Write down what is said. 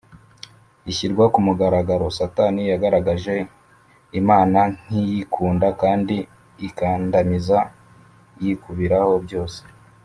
ishyirwa ku mugaragaro. Satani yagaragaje Imana nk’iyikunda kandi ikandamiza, yikubiraho byose,